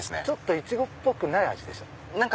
ちょっとイチゴっぽくない味でしょ？